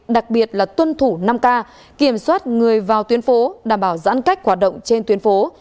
đặc biệt là tuân thủ năm k kiểm soát người vào tuyến phố đảm bảo giãn cách hoạt động trên tuyến phố